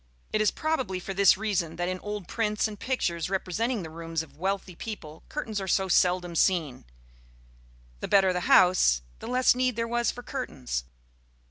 It is probably for this reason that in old prints and pictures representing the rooms of wealthy people, curtains are so seldom seen. The better the house, the less need there was for curtains.